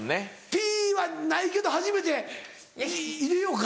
ピはないけど初めて入れようか？